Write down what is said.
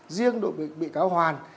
riêng đội bị cáo hoàn